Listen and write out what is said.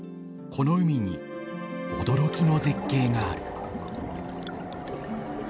この海に驚きの絶景がある。